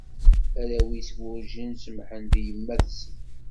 Arraw-is werǧin semmḥen di yemma-tsen.